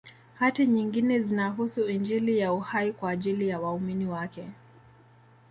Hati nyingine zinahusu Injili ya Uhai kwa ajili ya waumini wake